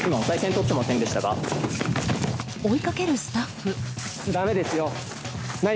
追いかけるスタッフ。